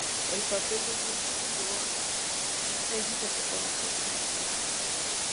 El papel de Jason Voorhees es interpretado por Kane Hodder.